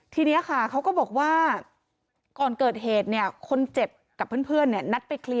ทีนี้ค่ะเขาก็บอกว่า